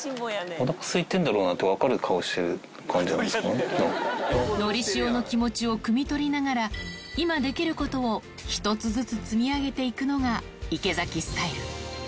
おなかすいてるんだろうなって、のりしおの気持ちをくみ取りながら、今できることを一つずつ積み上げていくのが池崎スタイル。